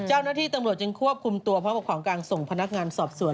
เจ้าหน้าที่ตำรวจจึงควบคุมตัวพร้อมกับของกลางส่งพนักงานสอบสวน